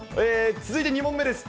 続いて２問目です。